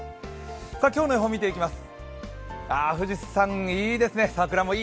今日の予報見ていきます。